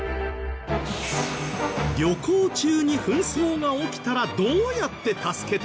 旅行中に紛争が起きたらどうやって助けてくれるの？